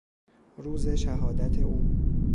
روز شهادت او